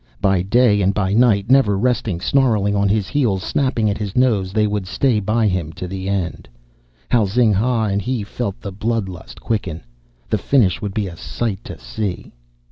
By day and by night, never resting, snarling on his heels, snapping at his nose, they would stay by him to the end. How Zing ha and he felt the blood lust quicken! The finish would be a sight to see!